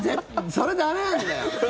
それ駄目なんだよ。